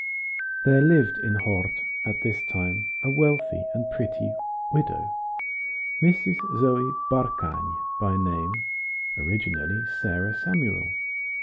There lived in Hort at this time a wealthy and pretty widow, Mrs. Zoe Barkany by name, originally Sarah Samuel.